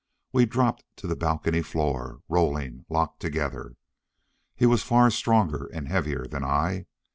We dropped to the balcony floor, rolling, locked together. He was far stronger and heavier than I.